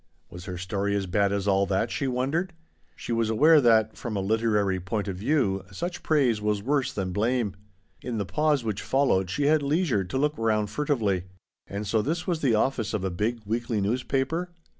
Was her story as bad as all that, she wondered? She was quite aware that, from a literary point of view, such praise was worse than blame. In the pause which followed she had lei sure to look round furtively. And so this was the office of a big weekly newspaper?